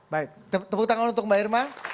baik tepuk tangan untuk mbak irma